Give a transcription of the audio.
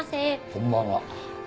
こんばんは。